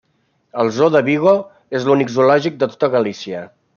El zoo de Vigo és l'únic zoològic de tota Galícia.